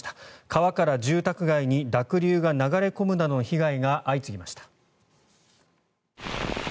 川から住宅街に濁流が流れ込むなどの被害が相次ぎました。